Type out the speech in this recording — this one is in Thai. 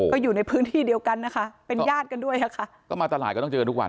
ก็อยู่ในพื้นที่เดียวกันนะคะเป็นญาติกันด้วยค่ะก็มาตลาดก็ต้องเจอกันทุกวัน